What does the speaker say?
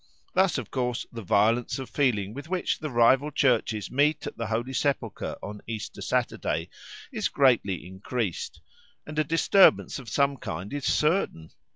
Thus of course the violence of feeling with which the rival Churches meet at the Holy Sepulchre on Easter Saturday is greatly increased, and a disturbance of some kind is certain.